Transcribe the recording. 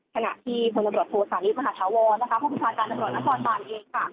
ขณะที่ตำรวจโทรศาลีฟมหาธาวรมหาศาลการณ์ตำรวจนักษรป่านเอง